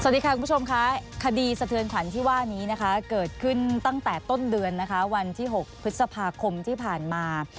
สวัสดีค่ะคุณผู้ชมค่ะคดีสะเทือนขวัญที่ว่านี้นะคะเกิดขึ้นตั้งแต่ต้นเดือนนะคะวันที่๖พฤษภาคมที่ผ่านมา